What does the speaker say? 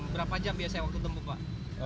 berapa jam biasanya waktu tempuh pak